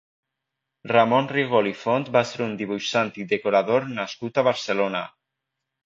Ramon Rigol i Font va ser un dibuixant i decorador nascut a Barcelona.